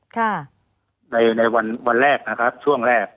ค่ะในในวันวันแรกนะครับช่วงแรก